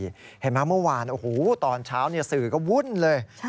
เห็นไหมเมื่อวานโอ้โหตอนเช้าสื่อก็วุ่นเลย